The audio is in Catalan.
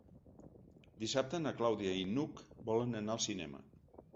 Dissabte na Clàudia i n'Hug volen anar al cinema.